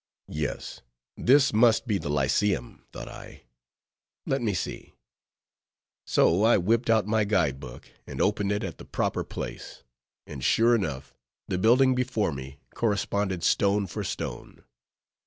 Yes, this must be the Lyceum, thought I; let me see. So I whipped out my guide book, and opened it at the proper place; and sure enough, the building before me corresponded stone for stone.